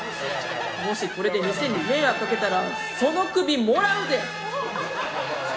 もし、これで店に迷惑かけたらその首もらうで！